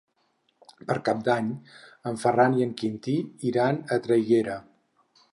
Per Cap d'Any en Ferran i en Quintí iran a Traiguera.